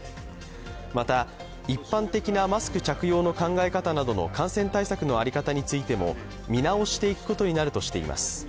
また、一般的なマスク着用の考え方などの感染対策の在り方についても見直していくことになるとしています。